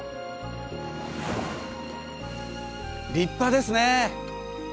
立派ですね。